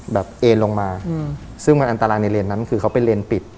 เอ็นลงมาซึ่งมันอันตรายในเลนนั้นคือเขาเป็นเลนปิด